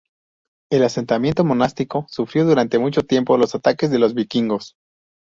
El asentamiento monástico sufrió durante mucho tiempo los ataques de los vikingos.